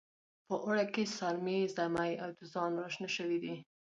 په اواړه کې سارمې، زمۍ او دوزان راشنه شوي دي.